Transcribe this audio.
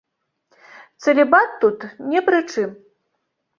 Цэлібат тут не пры чым.